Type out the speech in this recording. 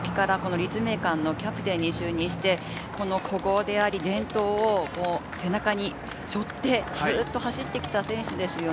２年生の時から立命館のキャプテンに就任して、古豪であり伝統を背中に背負って、ずっと走ってきた選手です。